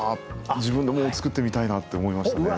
自分でもう作ってみたいなって思いましたね。